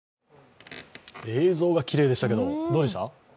映像がきれいでしたけど、どうでした？